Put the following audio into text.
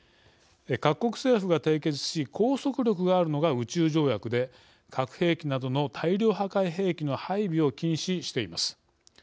各国政府が締結し拘束力があるのが宇宙条約で核兵器などの大量破壊兵器の配備を禁止しています。